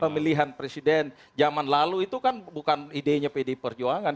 pemilihan presiden zaman lalu itu kan bukan idenya pd perjuangan